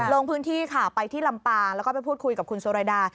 ลงพื้นที่ค่ะไปที่ลำปางแล้วก็ไปพูดคุยกับคุณสุรดา